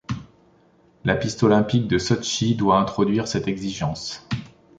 La piste olympique de Sotchi doit introduire cette exigence.